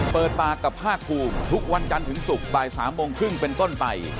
เปิดปากกับภาคภูมิทุกวันจันทร์ถึงศุกร์บ่าย๓โมงครึ่งเป็นต้นไป